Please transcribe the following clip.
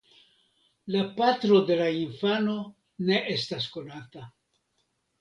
La patro de la infano ne estas konata.